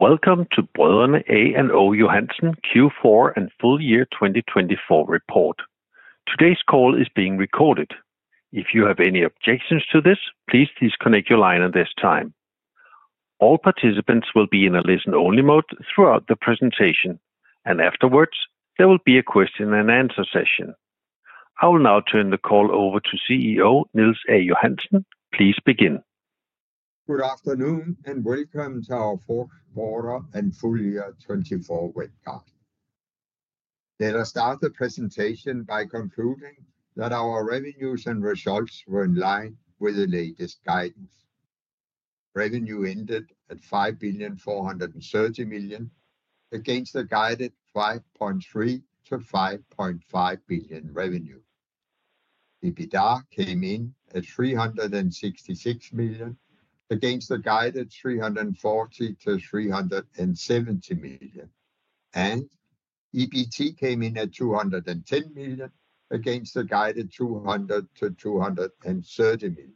Welcome to Brødrene A & O Johansen Q4 and full year 2024 report. Today's call is being recorded. If you have any objections to this, please disconnect your line at this time. All participants will be in a listen-only mode throughout the presentation, and afterwards there will be a question-and-answer session. I will now turn the call over to CEO Niels A. Johansen. Please begin. Good afternoon and welcome to our fourth quarter and full year 2024 webcast. Let us start the presentation by concluding that our revenues and results were in line with the latest guidance. Revenue ended at 5,430 million against a guided 5.3-5.5 billion revenue. EBITDA came in at 366 million against a guided 340-370 million, and EBIT came in at 210 million against a guided 200-230 million.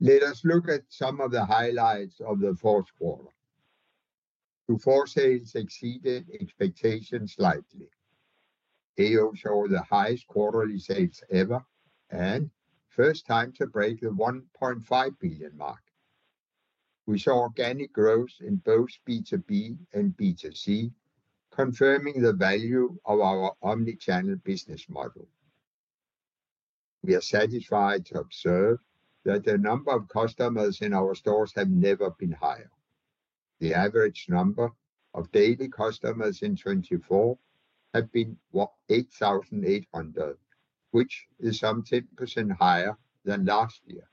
Let us look at some of the highlights of the fourth quarter. The fourth-quarter sales exceeded expectations slightly. A & O showed the highest quarterly sales ever and the first time to break the 1.5 billion mark. We saw organic growth in both B2B and B2C, confirming the value of our omnichannel business model. We are satisfied to observe that the number of customers in our stores has never been higher. The average number of daily customers in 2024 has been 8,800, which is some 10% higher than last year.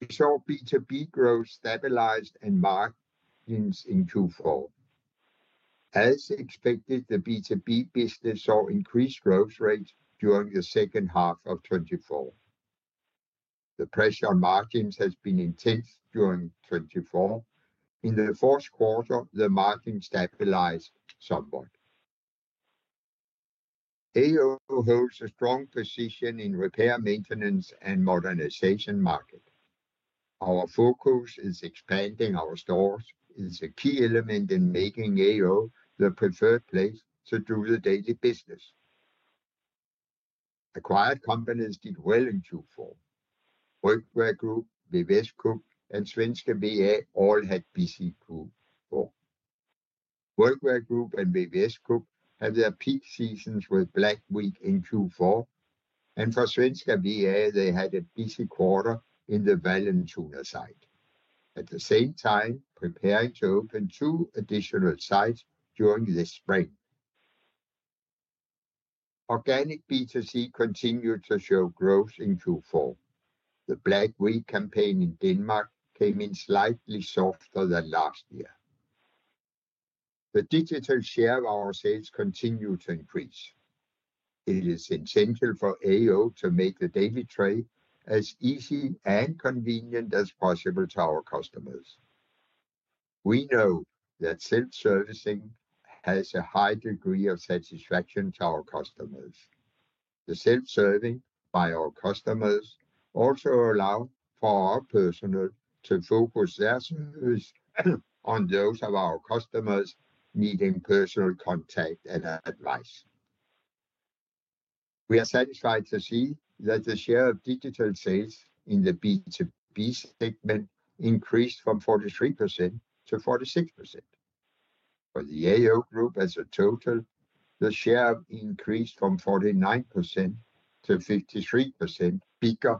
We saw B2B growth stabilized and margins in Q4. As expected, the B2B business saw increased growth rates during the second half of 2024. The pressure on margins has been intense during 2024. In the fourth quarter, the margins stabilized somewhat. A & O holds a strong position in the repair, maintenance, and modernization market. Our focus is expanding our stores. It is a key element in making A & O the preferred place to do the daily business. Acquired companies did well in Q4. WorkWear Group, VVSKupp, and Svenska VA all had busy Q4. WorkWear Group and VVS Kupp had their peak seasons with Black Week in Q4, and for Svenska VA, they had a busy quarter in the Vallentuna site. At the same time, preparing to open two additional sites during this spring. Organic B2C continued to show growth in Q4. The Black Week campaign in Denmark came in slightly softer than last year. The digital share of our sales continued to increase. It is essential for A & O to make the daily trade as easy and convenient as possible to our customers. We know that self-servicing has a high degree of satisfaction to our customers. The self-serving by our customers also allows our personnel to focus their service on those of our customers needing personal contact and advice. We are satisfied to see that the share of digital sales in the B2B segment increased from 43% to 46%. For the A & O Group as a total, the share increased from 49% to 53% figure.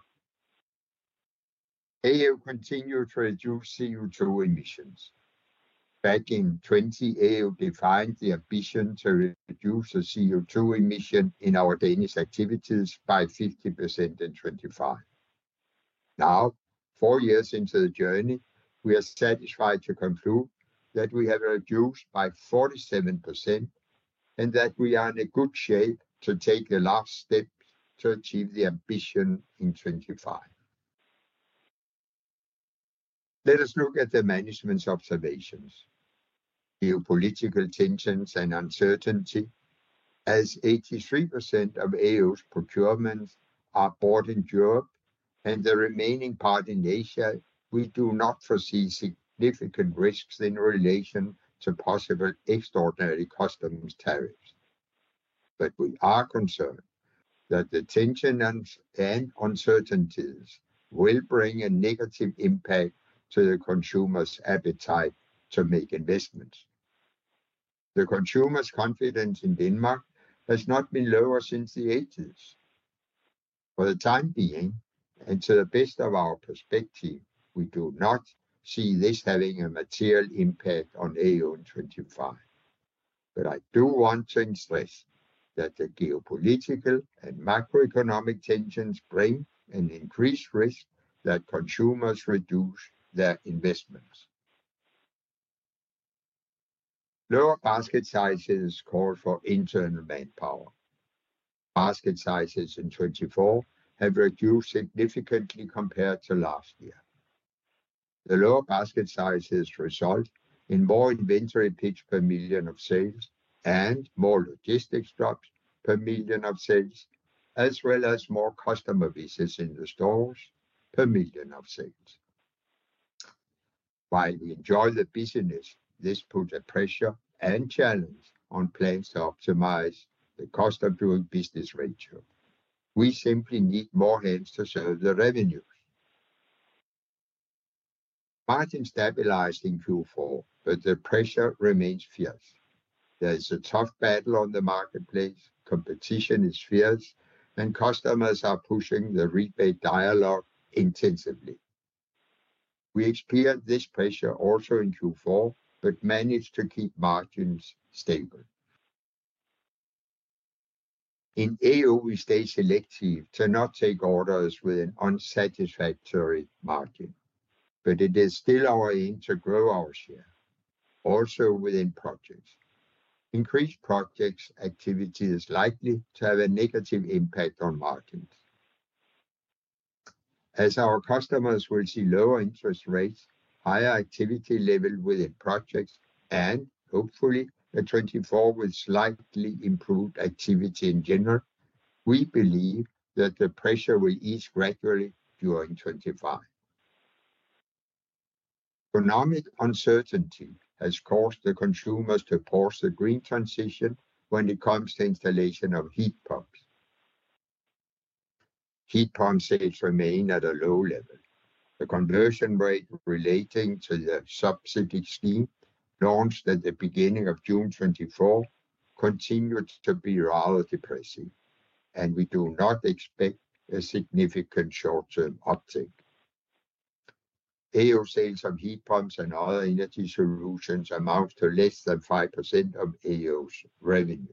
A & O continues to reduce CO2 emissions. Back in 2020, A & O defined the ambition to reduce the CO2 emissions in our daily activities by 50% in 2025. Now, four years into the journey, we are satisfied to conclude that we have reduced by 47% and that we are in good shape to take the last steps to achieve the ambition in 2025. Let us look at the management's observations. Geopolitical tensions and uncertainty. As 83% of A & O's procurements are bought in Europe and the remaining part in Asia, we do not foresee significant risks in relation to possible extraordinary customs tariffs. But we are concerned that the tension and uncertainties will bring a negative impact to the consumer's appetite to make investments. The consumer's confidence in Denmark has not been lower since the '80s. For the time being, and to the best of our perspective, we do not see this having a material impact on A & O in 2025. But I do want to stress that the geopolitical and macroeconomic tensions bring an increased risk that consumers reduce their investments. Lower basket sizes call for internal manpower. Basket sizes in 2024 have reduced significantly compared to last year. The lower basket sizes result in more inventory picks per million of sales and more logistics drops per million of sales, as well as more customer visits in the stores per million of sales. While we enjoy the busyness, this puts a pressure and challenge on plans to optimize the cost of doing business ratio. We simply need more hands to serve the revenues. Margins stabilized in Q4, but the pressure remains fierce. There is a tough battle on the marketplace. Competition is fierce, and customers are pushing the rebate dialogue intensively. We experienced this pressure also in Q4 but managed to keep margins stable. In A & O, we stayed selective to not take orders with an unsatisfactory margin, but it is still our aim to grow our share, also within projects. Increased project activity is likely to have a negative impact on margins. As our customers will see lower interest rates, higher activity levels within projects, and hopefully a 2024 with slightly improved activity in general, we believe that the pressure will ease gradually during 2025. Economic uncertainty has caused the consumers to pause the green transition when it comes to installation of heat pumps. Heat pump sales remain at a low level. The conversion rate relating to the subsidy scheme launched at the beginning of June 2024 continues to be rather depressing, and we do not expect a significant short-term uptake. A & O sales of heat pumps and other energy solutions amount to less than 5% of A & O's revenue.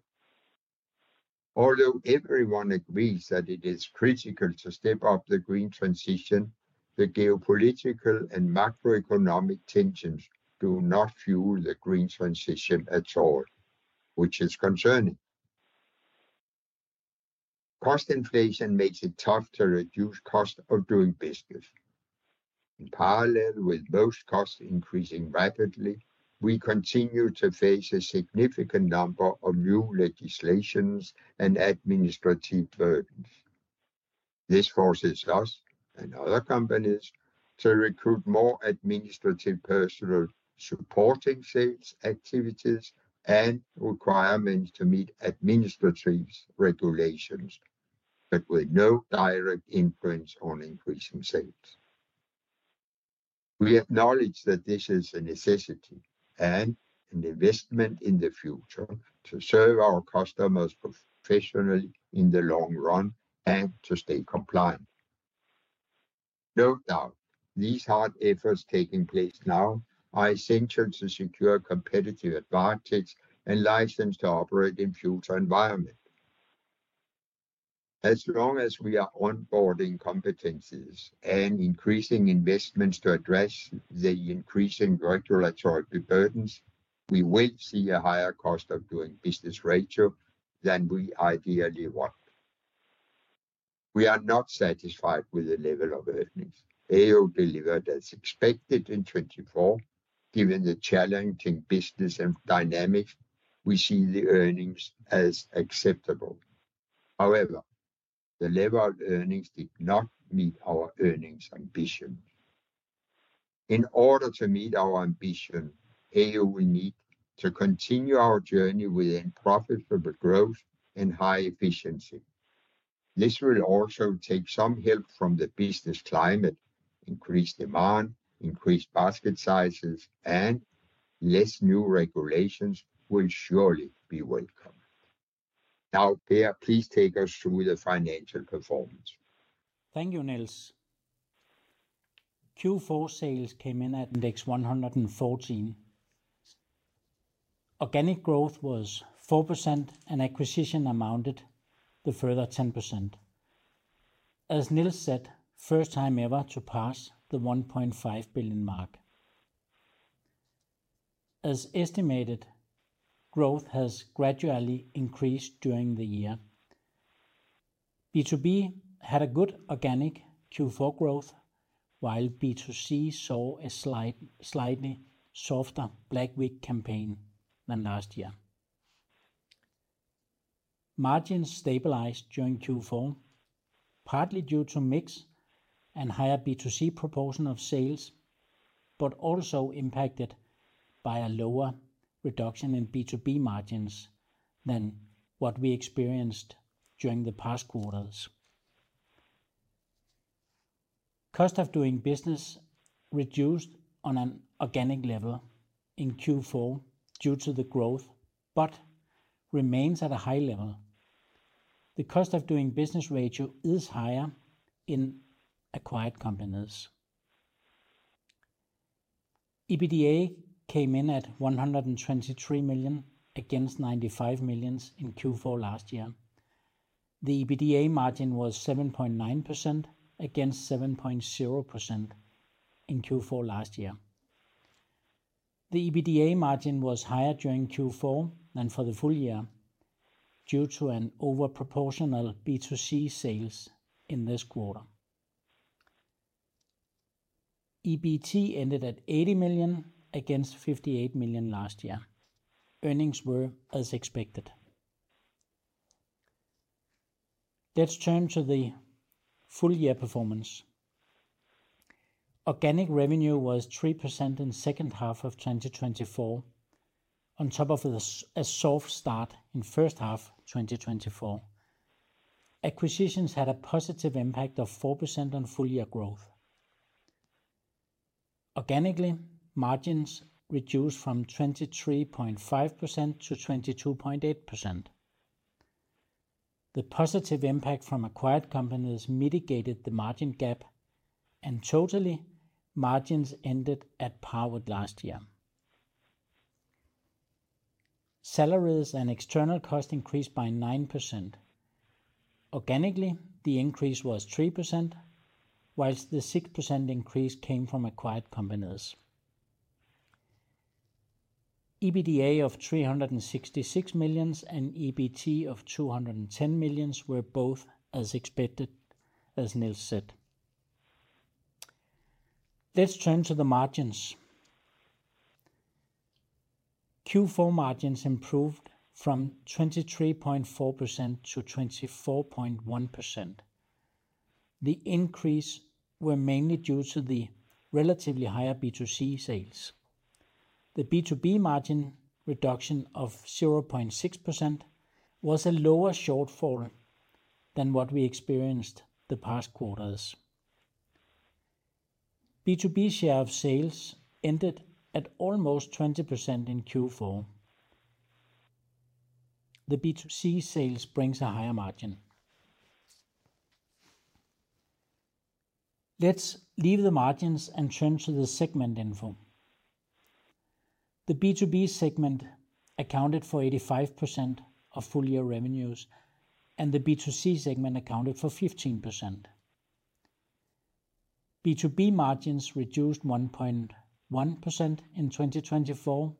Although everyone agrees that it is critical to step up the green transition, the geopolitical and macroeconomic tensions do not fuel the green transition at all, which is concerning. Cost inflation makes it tough to reduce the cost of doing business. In parallel with those costs increasing rapidly, we continue to face a significant number of new legislations and administrative burdens. This forces us and other companies to recruit more administrative personnel supporting sales activities and requirements to meet administrative regulations, but with no direct influence on increasing sales. We acknowledge that this is a necessity and an investment in the future to serve our customers professionally in the long run and to stay compliant. No doubt, these hard efforts taking place now are essential to secure competitive advantage and license to operate in a future environment. As long as we are onboarding competencies and increasing investments to address the increasing regulatory burdens, we will see a higher cost of doing business ratio than we ideally want. We are not satisfied with the level of earnings. A & O delivered as expected in 2024. Given the challenging business dynamics, we see the earnings as acceptable. However, the level of earnings did not meet our earnings ambition. In order to meet our ambition, A & O will need to continue our journey within profitable growth and high efficiency. This will also take some help from the business climate. Increased demand, increased basket sizes, and less new regulations will surely be welcome. Now, Per, please take us through the financial performance. Thank you, Niels. Q4 sales came in at 114 million. Organic growth was 4%, and acquisition amounted to further 10%. As Niels said, first time ever to pass the 1.5 billion mark. As estimated, growth has gradually increased during the year. B2B had a good organic Q4 growth, while B2C saw a slightly softer Black Week campaign than last year. Margins stabilized during Q4, partly due to a mix and higher B2C proportion of sales, but also impacted by a lower reduction in B2B margins than what we experienced during the past quarters. Cost of doing business reduced on an organic level in Q4 due to the growth, but remains at a high level. The cost of doing business ratio is higher in acquired companies. EBITDA came in at 123 million against 95 million in Q4 last year. The EBITDA margin was 7.9% against 7.0% in Q4 last year. The EBITDA margin was higher during Q4 than for the full year due to an overproportional B2C sales in this quarter. EBIT ended at 80 million against 58 million last year. Earnings were as expected. Let's turn to the full year performance. Organic revenue was 3% in the second half of 2024, on top of a soft start in the first half of 2024. Acquisitions had a positive impact of 4% on full year growth. Organically, margins reduced from 23.5% to 22.8%. The positive impact from acquired companies mitigated the margin gap, and totally, margins ended at par with last year. Salaries and external costs increased by 9%. Organically, the increase was 3%, while the 6% increase came from acquired companies. EBITDA of 366 million and EBIT of 210 million were both as expected, as Niels said. Let's turn to the margins. Q4 margins improved from 23.4% to 24.1%. The increases were mainly due to the relatively higher B2C sales. The B2B margin reduction of 0.6% was a lower shortfall than what we experienced the past quarters. B2B share of sales ended at almost 20% in Q4. The B2C sales bring a higher margin. Let's leave the margins and turn to the segment info. The B2B segment accounted for 85% of full year revenues, and the B2C segment accounted for 15%. B2B margins reduced 1.1% in 2024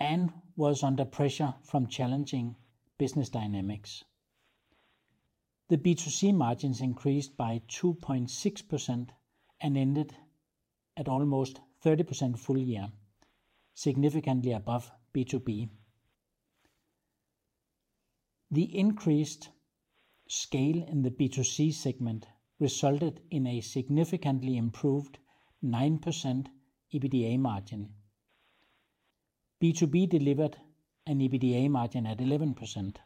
and were under pressure from challenging business dynamics. The B2C margins increased by 2.6% and ended at almost 30% full year, significantly above B2B. The increased scale in the B2C segment resulted in a significantly improved 9% EBITDA margin. B2B delivered an EBITDA margin at 11%.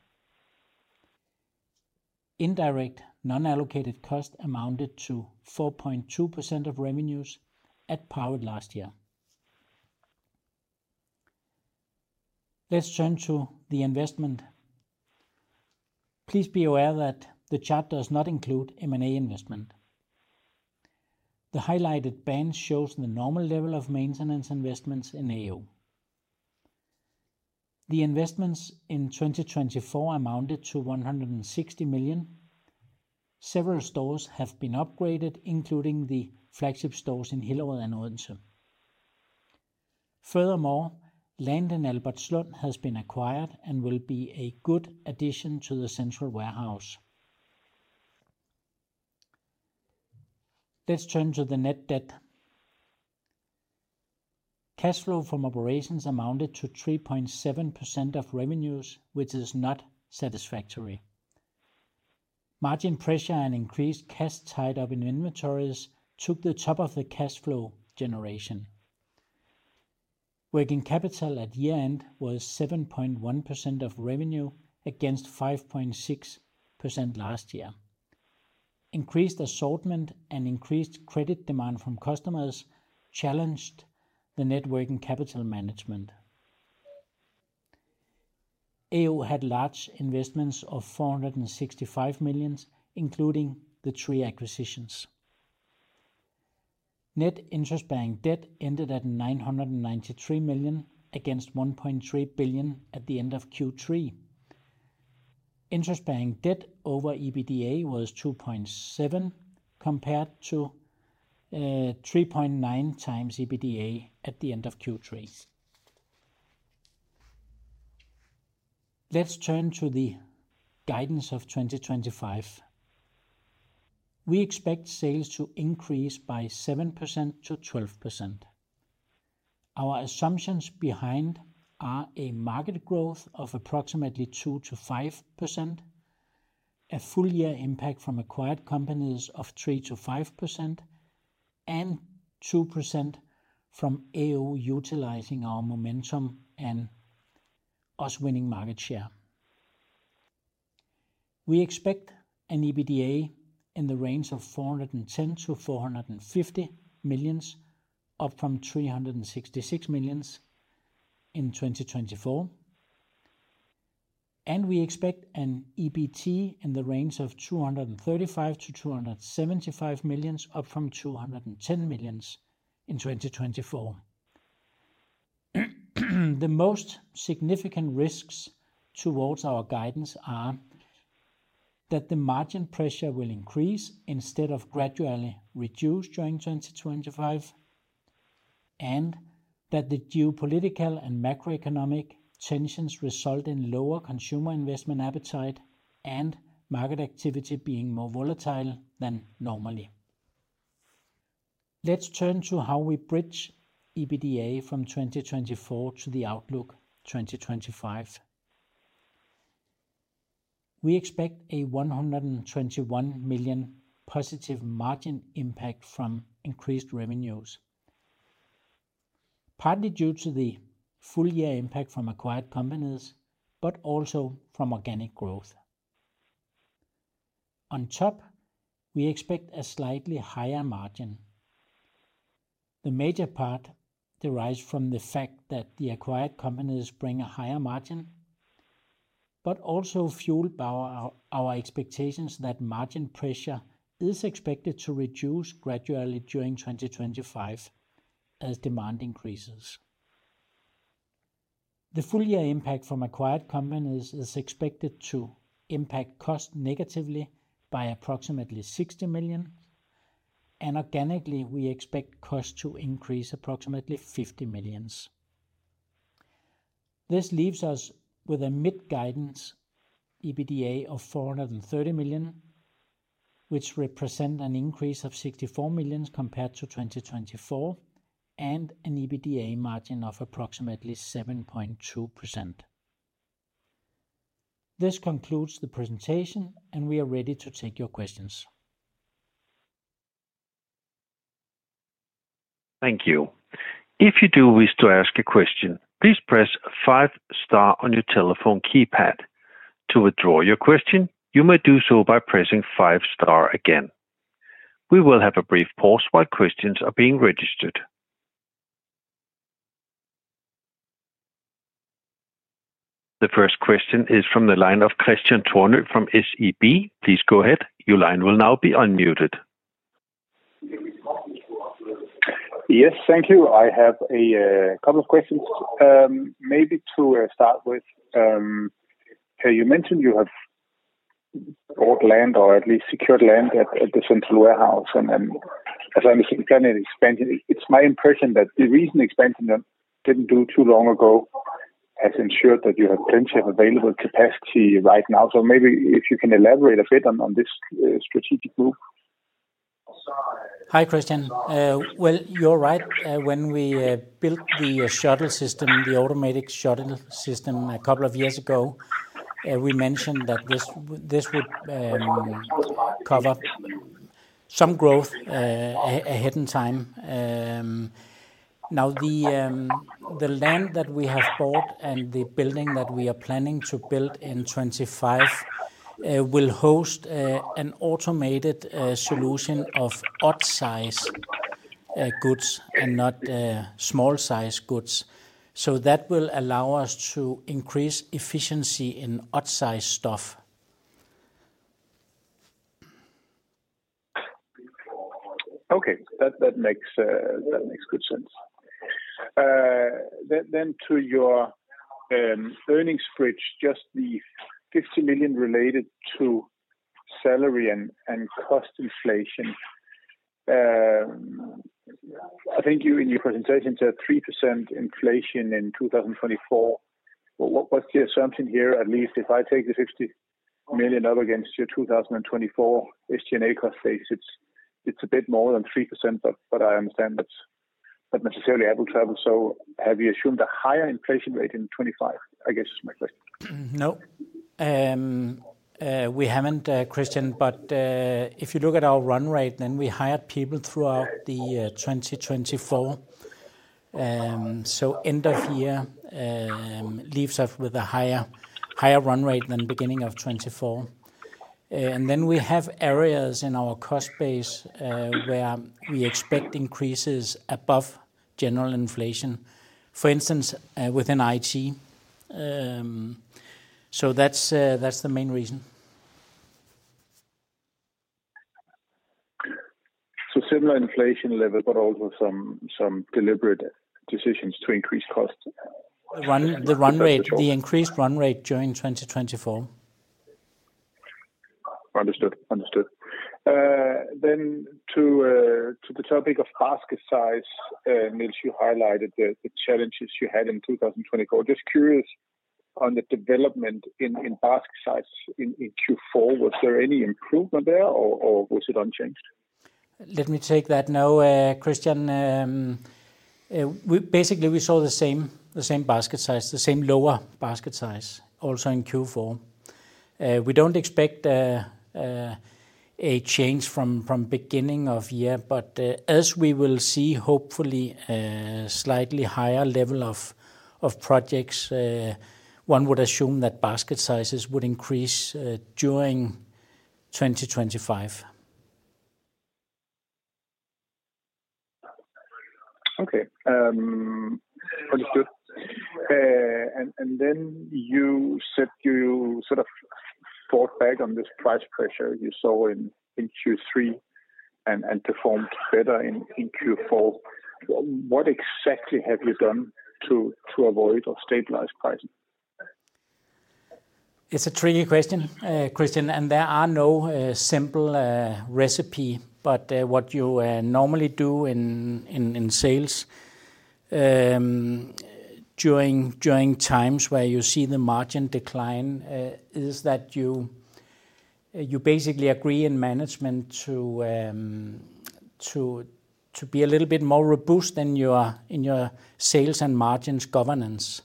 Indirect non-allocated cost amounted to 4.2% of revenues at par with last year. Let's turn to the investment. Please be aware that the chart does not include M&A investment. The highlighted band shows the normal level of maintenance investments in A & O. The investments in 2024 amounted to 160 million. Several stores have been upgraded, including the flagship stores in Hillerød and Odense. Furthermore, land in Albertslund has been acquired and will be a good addition to the central warehouse. Let's turn to the net debt. Cash flow from operations amounted to 3.7% of revenues, which is not satisfactory. Margin pressure and increased cash tied up in inventories took the top of the cash flow generation. Working capital at year-end was 7.1% of revenue against 5.6% last year. Increased assortment and increased credit demand from customers challenged the net working capital management. A & O had large investments of 465 million, including the three acquisitions. Net interest-bearing debt ended at 993 million against 1.3 billion at the end of Q3. Interest-bearing debt over EBITDA was 2.7x compared to 3.9x EBITDA at the end of Q3. Let's turn to the guidance of 2025. We expect sales to increase by 7% to 12%. Our assumptions behind are a market growth of approximately 2% to 5%, a full year impact from acquired companies of 3% to 5%, and 2% from A & O utilizing our momentum and us winning market share. We expect an EBITDA in the range of 410 million-450 million, up from 366 million in 2024. We expect an EBIT in the range of 235 million-275 million, up from 210 million in 2024. The most significant risks towards our guidance are that the margin pressure will increase instead of gradually reduce during 2025, and that the geopolitical and macroeconomic tensions result in lower consumer investment appetite and market activity being more volatile than normally. Let's turn to how we bridge EBITDA from 2024 to the outlook 2025. We expect a 121 million positive margin impact from increased revenues, partly due to the full year impact from acquired companies, but also from organic growth. On top, we expect a slightly higher margin. The major part derives from the fact that the acquired companies bring a higher margin, but also fuels our expectations that margin pressure is expected to reduce gradually during 2025 as demand increases. The full year impact from acquired companies is expected to impact costs negatively by approximately 60 million, and organically, we expect costs to increase approximately 50 million. This leaves us with a mid-guidance EBITDA of 430 million, which represents an increase of 64 million compared to 2024, and an EBITDA margin of approximately 7.2%. This concludes the presentation, and we are ready to take your questions. Thank you. If you do wish to ask a question, please press a five-star on your telephone keypad. To withdraw your question, you may do so by pressing five-star again. We will have a brief pause while questions are being registered. The first question is from the line of Kristian Tornøe from SEB. Please go ahead. Your line will now be unmuted. Yes, thank you. I have a couple of questions. Maybe to start with, you mentioned you have bought land, or at least secured land, at the central warehouse. And as I understand it, it's my impression that the recent expansion you didn't do too long ago has ensured that you have plenty of available capacity right now. So maybe if you can elaborate a bit on this strategic move. Hi, Kristian. Well, you're right. When we built the shuttle system, the automatic shuttle system, a couple of years ago, we mentioned that this would cover some growth ahead in time. Now, the land that we have bought and the building that we are planning to build in 2025 will host an automated solution of odd-size goods and not small-size goods. So that will allow us to increase efficiency in odd-size stuff. Okay, that makes good sense. Then to your earnings bridge, just the 50 million related to salary and cost inflation. I think in your presentation, you said 3% inflation in 2024. What's the assumption here, at least, if I take the 50 million up against your 2024 SG&A cost base? It's a bit more than 3%, but I understand that's not necessarily applicable. So have you assumed a higher inflation rate in 2025? I guess is my question. No, we haven't, Kristian. But if you look at our run rate, then we hired people throughout 2024. So end of year leaves us with a higher run rate than beginning of 2024. And then we have areas in our cost base where we expect increases above general inflation, for instance, within IT. So that's the main reason. So similar inflation level, but also some deliberate decisions to increase costs. The increased run rate during 2024. Understood. Then to the topic of basket size, Niels, you highlighted the challenges you had in 2024. Just curious on the development in basket size in Q4. Was there any improvement there, or was it unchanged? Let me take that now, Kristian. Basically, we saw the same basket size, the same lower basket size, also in Q4. We don't expect a change from the beginning of the year, but as we will see, hopefully, a slightly higher level of projects. One would assume that basket sizes would increase during 2025. Okay, understood. And then you said you sort of fought back on this price pressure you saw in Q3 and performed better in Q4. What exactly have you done to avoid or stabilize prices? It's a tricky question, Kristian, and there is no simple recipe. But what you normally do in sales during times where you see the margin decline is that you basically agree in management to be a little bit more robust in your sales and margins governance.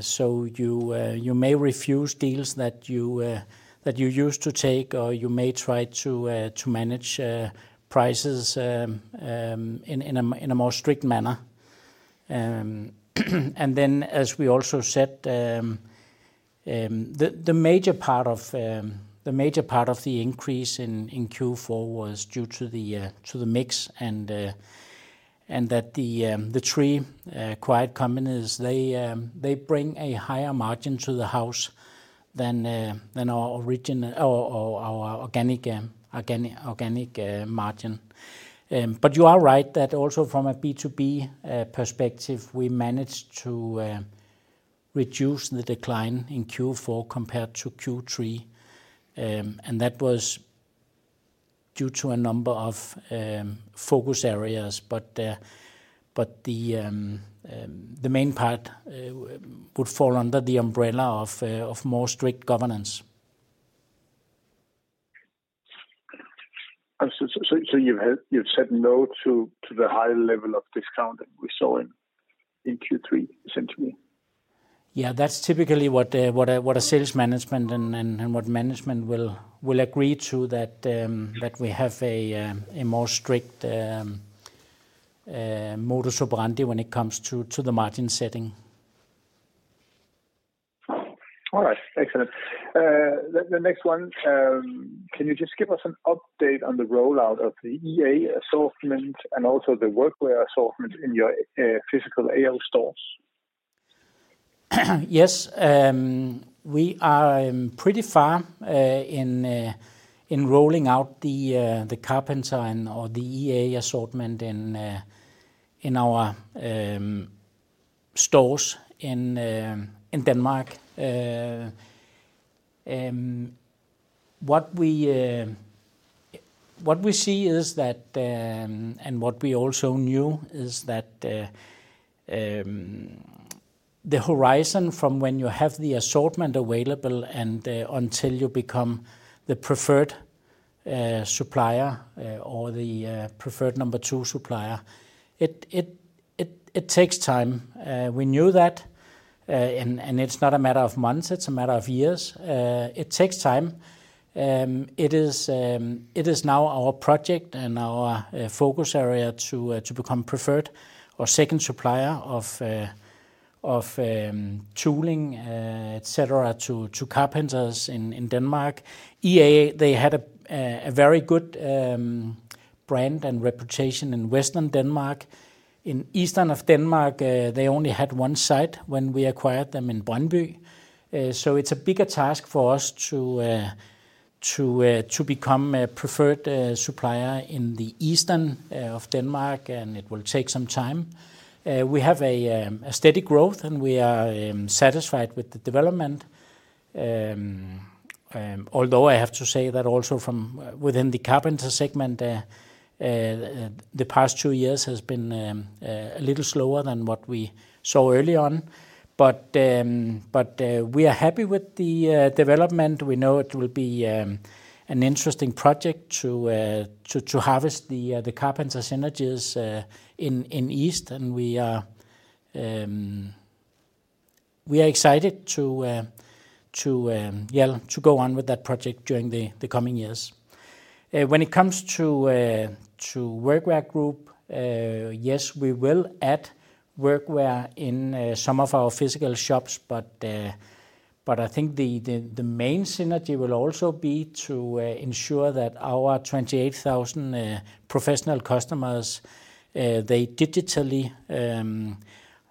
So you may refuse deals that you used to take, or you may try to manage prices in a more strict manner. And then, as we also said, the major part of the increase in Q4 was due to the mix and that the three acquired companies, they bring a higher margin to the house than our organic margin. But you are right that also from a B2B perspective, we managed to reduce the decline in Q4 compared to Q3. And that was due to a number of focus areas. But the main part would fall under the umbrella of more strict governance. So you've said no to the high level of discount that we saw in Q3, essentially. Yeah, that's typically what sales management and management will agree to, that we have a more strict modus operandi when it comes to the margin setting. All right, excellent. The next one, can you just give us an update on the rollout of the EA assortment and also the workwear assortment in your physical A & O stores? Yes, we are pretty far in rolling out the carpenter or the EA assortment in our stores in Denmark. What we see is that, and what we also knew, is that the horizon from when you have the assortment available and until you become the preferred supplier or the preferred number two supplier, it takes time. We knew that, and it's not a matter of months, it's a matter of years. It takes time. It is now our project and our focus area to become preferred or second supplier of tooling, etc., to carpenters in Denmark. EA, they had a very good brand and reputation in Western Denmark. In Eastern Denmark, they only had one site when we acquired them in Brøndby. So it's a bigger task for us to become a preferred supplier in the Eastern Denmark, and it will take some time. We have a steady growth, and we are satisfied with the development. Although I have to say that also from within the carpenter segment, the past two years has been a little slower than what we saw early on, but we are happy with the development. We know it will be an interesting project to harvest the carpenter synergies in east, and we are excited to go on with that project during the coming years. When it comes to WorkWear Group, yes, we will add workwear in some of our physical shops, but I think the main synergy will also be to ensure that our 28,000 professional customers, they digitally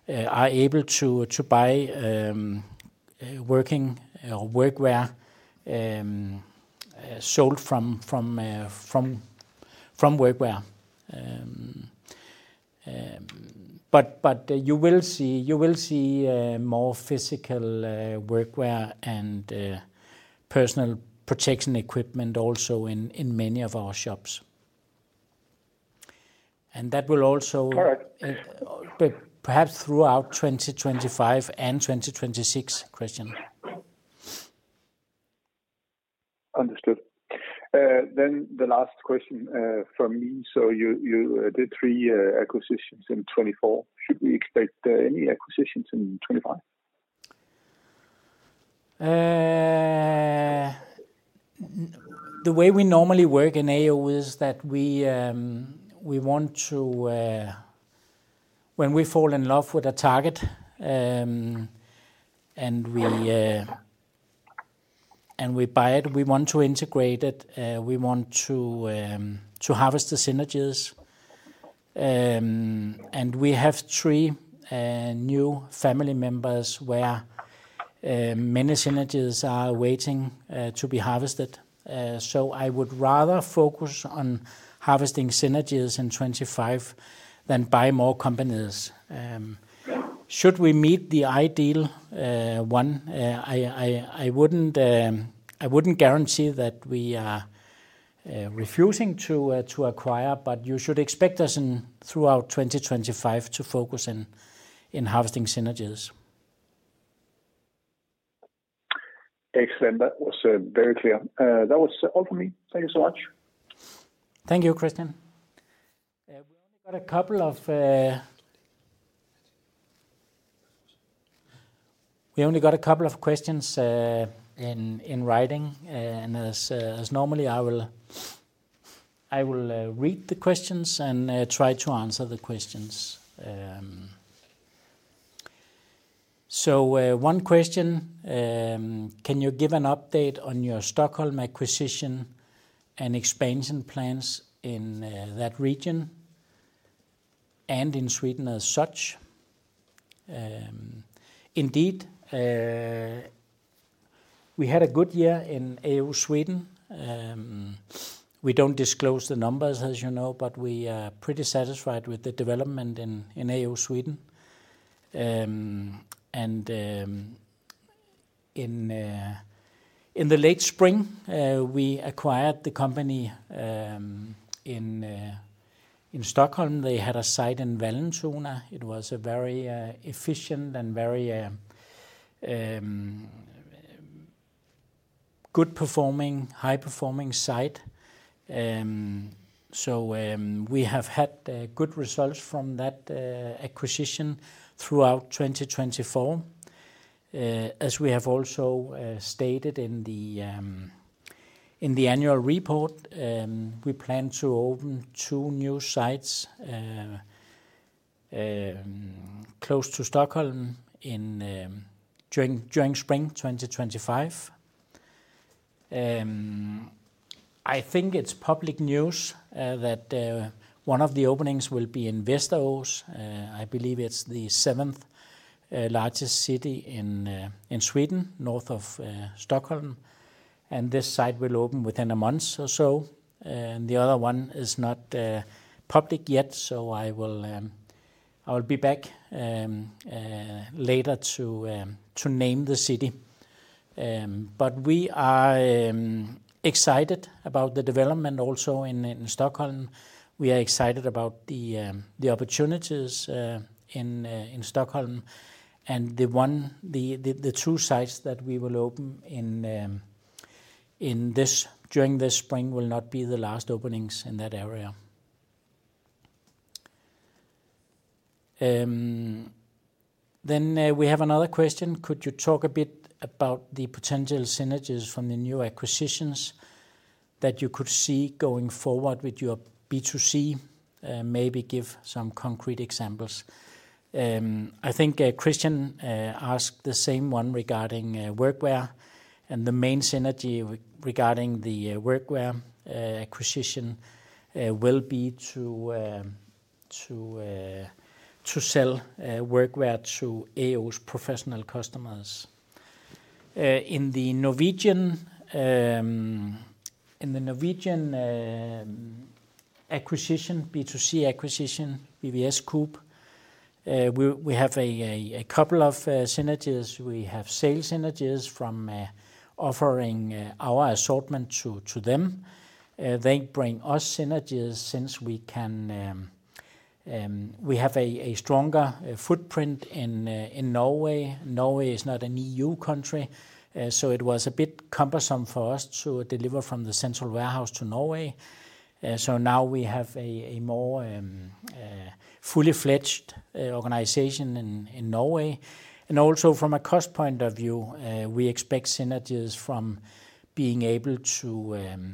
are able to buy working or workwear sold from workwear, but you will see more physical workwear and personal protection equipment also in many of our shops, and that will also be perhaps throughout 2025 and 2026, Christian. Understood. Then the last question from me. So you did three acquisitions in 2024. Should we expect any acquisitions in 2025? The way we normally work in A & O is that we want to, when we fall in love with a target and we buy it, we want to integrate it. We want to harvest the synergies. And we have three new family members where many synergies are waiting to be harvested. So I would rather focus on harvesting synergies in 2025 than buy more companies. Should we meet the ideal one? I wouldn't guarantee that we are refusing to acquire, but you should expect us throughout 2025 to focus on harvesting synergies. Excellent. That was very clear. That was all from me. Thank you so much. Thank you, Kristian. We only got a couple of questions in writing, and as normal, I will read the questions and try to answer the questions. So, one question: can you give an update on your Stockholm acquisition and expansion plans in that region and in Sweden as such? Indeed, we had a good year in A & O Sweden. We don't disclose the numbers, as you know, but we are pretty satisfied with the development in A & O Sweden, and in the late spring, we acquired the company in Stockholm. They had a site in Vallentuna. It was a very efficient and very good performing, high performing site, so we have had good results from that acquisition throughout 2024. As we have also stated in the annual report, we plan to open two new sites close to Stockholm during spring 2025. I think it's public news that one of the openings will be in Västerås. I believe it's the seventh largest city in Sweden, north of Stockholm. And this site will open within a month or so. The other one is not public yet, so I will be back later to name the city. But we are excited about the development also in Stockholm. We are excited about the opportunities in Stockholm. And the two sites that we will open during this spring will not be the last openings in that area. Then we have another question. Could you talk a bit about the potential synergies from the new acquisitions that you could see going forward with your B2C? Maybe give some concrete examples. I think Kristian asked the same one regarding workwear. The main synergy regarding the workwear acquisition will be to sell workwear to A & O's professional customers. In the Norwegian acquisition, B2C acquisition, VVSKupp, we have a couple of synergies. We have sales synergies from offering our assortment to them. They bring us synergies since we have a stronger footprint in Norway. Norway is not an EU country, so it was a bit cumbersome for us to deliver from the central warehouse to Norway. Now we have a more fully fledged organization in Norway. Also from a cost point of view, we expect synergies from being able to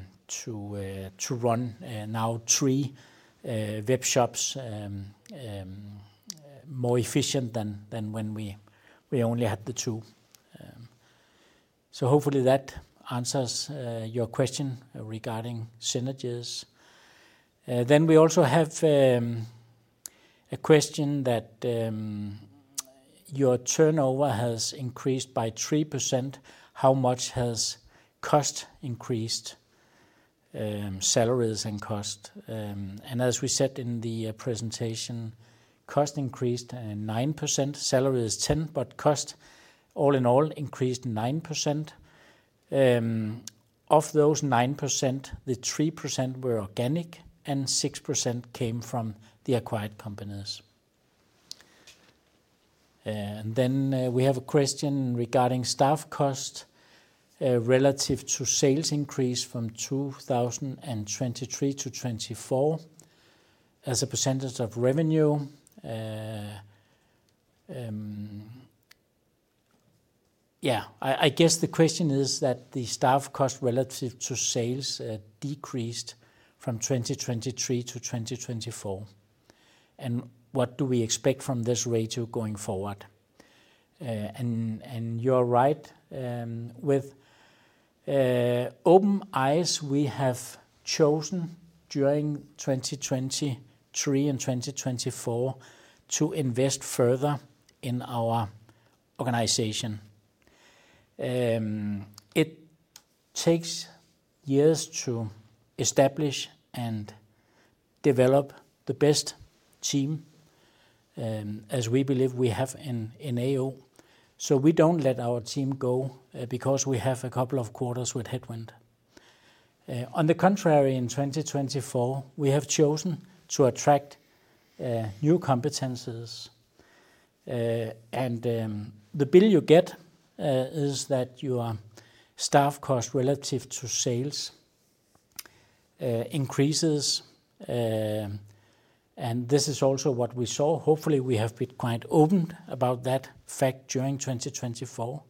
run now three web shops more efficient than when we only had the two. Hopefully that answers your question regarding synergies. We also have a question that your turnover has increased by 3%. How much has cost increased? Salaries and cost. As we said in the presentation, cost increased 9%, salaries 10%, but cost all in all increased 9%. Of those 9%, the 3% were organic and 6% came from the acquired companies. We have a question regarding staff cost relative to sales increase from 2023 to 2024 as a percentage of revenue. Yeah, I guess the question is that the staff cost relative to sales decreased from 2023 to 2024. What do we expect from this ratio going forward? You are right. With open eyes, we have chosen during 2023 and 2024 to invest further in our organization. It takes years to establish and develop the best team, as we believe we have in A & O. We don't let our team go because we have a couple of quarters with headwind. On the contrary, in 2024, we have chosen to attract new competencies. The bill you get is that your staff cost relative to sales increases. This is also what we saw. Hopefully, we have been quite open about that fact during 2024.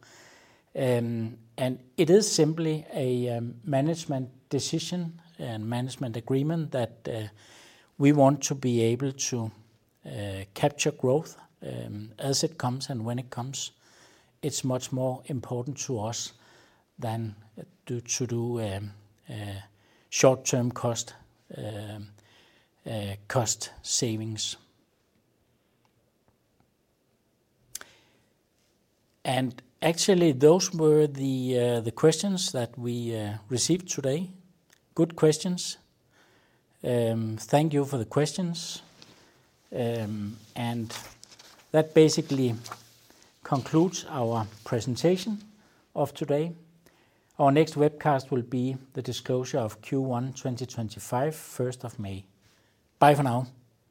It is simply a management decision and management agreement that we want to be able to capture growth as it comes and when it comes. It's much more important to us than to do short-term cost savings. Actually, those were the questions that we received today. Good questions. Thank you for the questions. That basically concludes our presentation of today. Our next webcast will be the disclosure of Q1 2025, 1st of May. Bye for now.